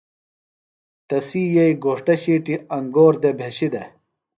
تسی یئیی گھوݜٹہ ݜیٹیۡ انگور دےۡ بھشیۡ دےۡ۔